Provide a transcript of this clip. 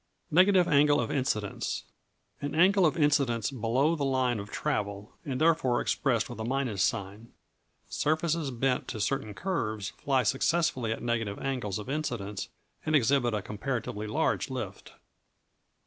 Negative Angle of Incidence An angle of incidence below the line of travel, and therefore expressed with a minus sign. Surfaces bent to certain curves fly successfully at negative angles of incidence, and exhibit a comparatively large lift.